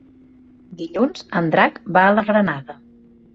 Dilluns en Drac va a la Granada.